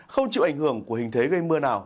không chịu ảnh hưởng của hình thế gây mưa nào